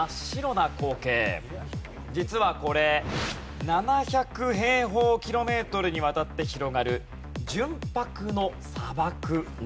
実はこれ７００平方キロメートルにわたって広がる純白の砂漠なんです。